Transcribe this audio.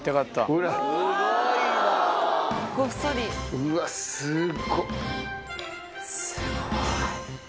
うわすごっ。